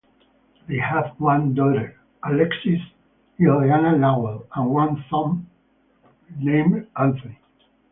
They have one daughter, Alexis Ileana Lowell, and one son named Anthony.